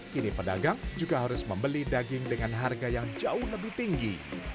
kini pedagang juga harus membeli daging dengan harga yang jauh lebih tinggi